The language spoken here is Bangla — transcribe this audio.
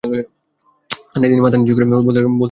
তাই তিনি মাথা নিচু করে বলতে লাগলেন—ক্ষমা চাই, ক্ষমা চাই।